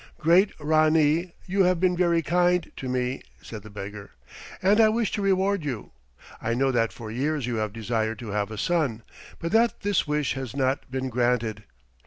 "Great Ranee, you have been very kind to me," said the beggar, "and I wish to reward you. I know that for years you have desired to have a son, but that this wish has not been granted.